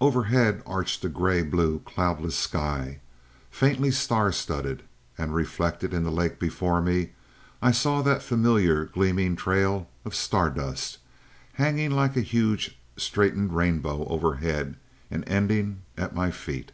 "Overhead arched a gray blue, cloudless sky, faintly star studded, and reflected in the lake before me I saw that familiar gleaming trail of star dust, hanging like a huge straightened rainbow overhead, and ending at my feet."